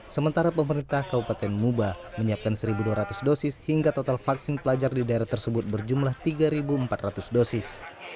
sementara pemerintah kabupaten muba menyiapkan satu dua ratus dosis hingga total vaksin pelajar di daerah tersebut berjumlah tiga empat ratus dosis